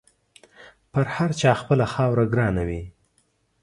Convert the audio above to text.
پر هر چا خپله خاوره ګرانه وي.